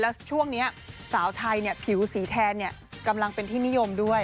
แล้วช่วงเนี้ยสาวไทยเนี้ยผิวสีแทนเนี้ยกำลังเป็นที่นิยมด้วย